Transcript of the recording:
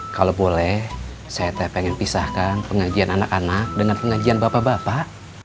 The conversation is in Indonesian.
kalau boleh saya pengen pisahkan pengajian anak anak dengan pengajian bapak bapak